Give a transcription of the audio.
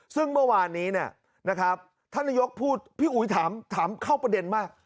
ซึ่งเมื่อวานนี้นะครับท่านนายกพูดพี่อุ๋ยถามเข้าประเด็นมาก